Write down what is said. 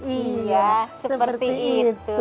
iya seperti itu